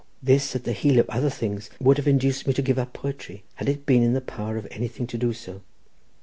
This at the heel of other things would have induced me to give up poetry, had it been in the power of anything to do so.